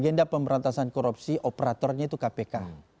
agenda pemberantasan korupsi operatornya itu kpk